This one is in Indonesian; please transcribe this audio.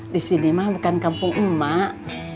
di sini mah bukan kampung emak